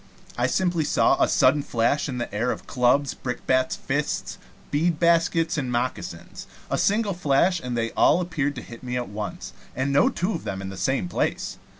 I simply saw a sudden flash in the air of clubs, brickbats, fists, bead baskets, and moccasins a single flash, and they all appeared to hit me at once, and no two of them in the same place.